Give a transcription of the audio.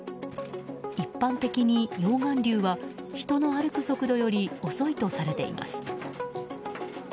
一般的に溶岩流は人の歩く速度より遅いとされています。